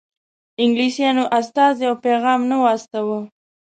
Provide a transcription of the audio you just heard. انګلیسیانو استازی او پیغام نه و استاوه.